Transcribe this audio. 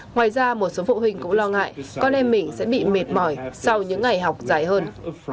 ngoài ra một số phụ huynh cũng lo ngại con em mình sẽ bị mệt mỏi sau những ngày học dài hơn